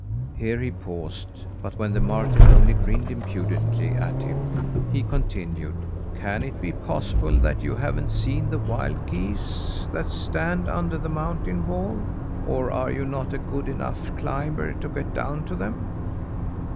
Here he paused; but when the marten only grinned impudently at him, he continued: "Can it be possible that you haven't seen the wild geese that stand under the mountain wall? or are you not a good enough climber to get down to them?"